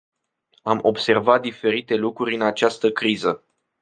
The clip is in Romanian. Am observat diferite lucruri în această criză.